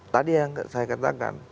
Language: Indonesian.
tadi yang saya katakan